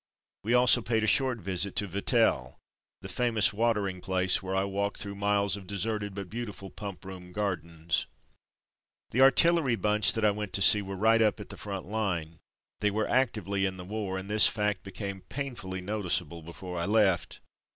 We also paid a short visit to Vittel, the famous watering place, where I walked through miles of deserted but beautiful Pump Room gardens. The artillery bunch that I went to see were right up at the front line. They were actively in the war, and this fact became Visits to Shelled Areas 275 painfully noticeable before I left.